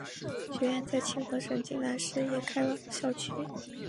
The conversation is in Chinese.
学院在庆和省金兰市也开设了校区。